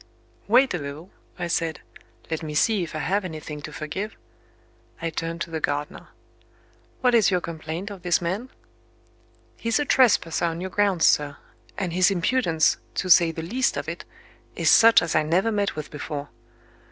"Wait a little," I said. "Let me see if I have anything to forgive." I turned to the gardener. "What is your complaint of this man?" "He's a trespasser on your grounds, sir. And, his impudence, to say the least of it, is such as I never met with before."